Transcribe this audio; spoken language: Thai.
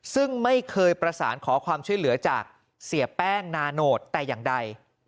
ซึ่งไม่เคยประสานขอความช่วยเหลือจากเสียแป้งนาโนตแต่อย่างใด